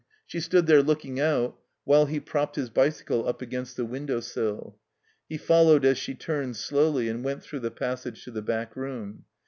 She stood there looking out while he propped his bicycle up against the window sill. He followed as she turned slowly and went through the passage to the back room.